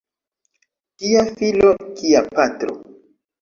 Tia filo kia patro!